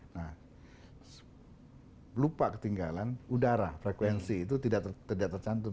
nah lupa ketinggalan udara frekuensi itu tidak tercantum